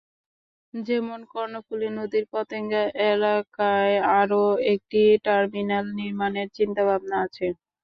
যেমন কর্ণফুলী নদীর পতেঙ্গা এলাকায় আরও একটি টার্মিনাল নির্মাণের চিন্তাভাবনা আছে।